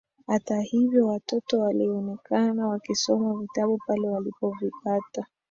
Hata hivyo watoto walionekana wakisoma vitabu pale walipovipata.